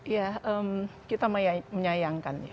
ya kita menyayangkan